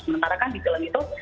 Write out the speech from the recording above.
sementara kan di film itu